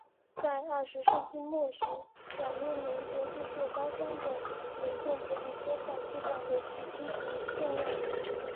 在二十世纪末时表面黏着技术包装的元件可以缩小系统的体积及重量。